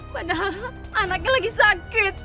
padahal anaknya lagi sakit